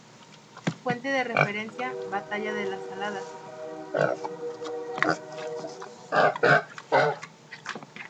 Fuente de referencia: Batalla de Las Saladas.